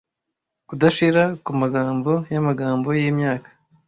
Kudashira kumagambo yamagambo yimyaka!